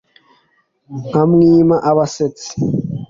nkamwima abasetsi.